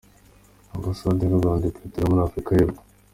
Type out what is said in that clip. Ambasade y’u Rwanda i Pretoria muri Afrika y’Epfo